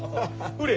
ほれ！